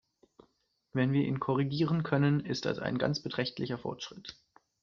Wenn wir ihn korrigieren können, ist das ein ganz beträchtlicher Fortschritt.